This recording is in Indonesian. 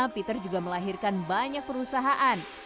peter juga melahirkan banyak perusahaan